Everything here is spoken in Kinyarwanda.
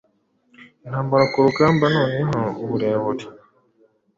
Intambara-ku rugamba Noneho uburebure